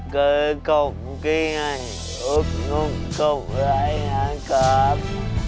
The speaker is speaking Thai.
คือกล้องกินอุ๊บนุ่มกล้องไหลนะครับ